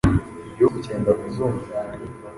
Igihugu cyenda kuzunguruka